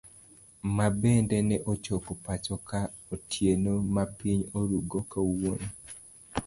Mabende ne ochopo pacho ka otieno ma piny oruu go kawuono.